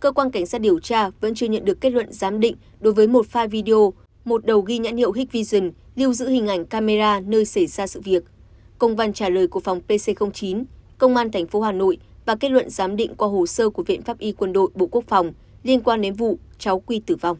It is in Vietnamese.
cơ quan cảnh sát điều tra vẫn chưa nhận được kết luận giám định đối với một file video một đầu ghi nhãn hiệu hig vision lưu giữ hình ảnh camera nơi xảy ra sự việc công văn trả lời của phòng pc chín công an tp hà nội và kết luận giám định qua hồ sơ của viện pháp y quân đội bộ quốc phòng liên quan đến vụ cháu quy tử vong